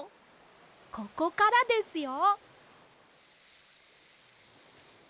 ここからですよ。